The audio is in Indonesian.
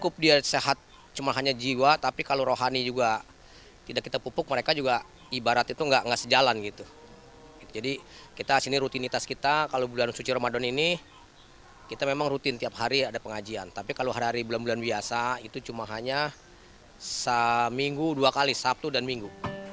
pembingkannya seminggu dua kali sabtu dan minggu